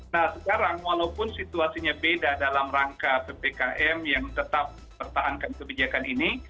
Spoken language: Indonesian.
nah sekarang walaupun situasinya beda dalam rangka ppkm yang tetap pertahankan kebijakan ini